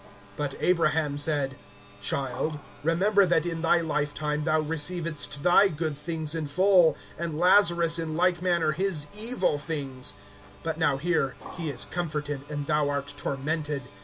(25)But Abraham said: Child, remember that in thy lifetime thou receivedst thy good things in full, and Lazarus in like manner his evil things; but now here, he is comforted and thou art tormented.